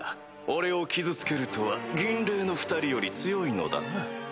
俺を傷つけるとは銀嶺の２人より強いのだな。